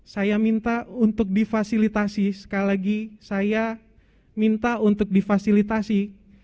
saya minta untuk difasilitasi sekali lagi saya minta untuk difasilitasi